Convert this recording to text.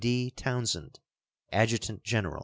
D. TOWNSEND, Adjutant General.